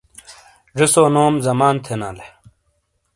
جوسو نوم زمان تھینالے